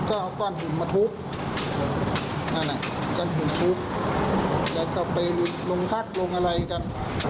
ก็เอาก้อนหินมาทุบแล้วก็ไปลงทักลงอะไรกัน